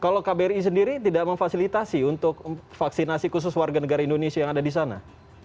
kalau kbri sendiri tidak memfasilitasi untuk vaksinasi khusus warga negara indonesia yang ada di sana